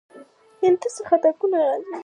دا چې ارجنټاین سیمه بېوزله ده تصادف نه دی.